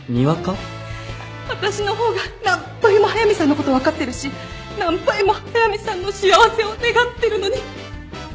私の方が何倍も速見さんのこと分かってるし何倍も速見さんの幸せを願ってるのに。